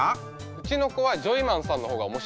うちの子はジョイマンさんの方が面白かったって。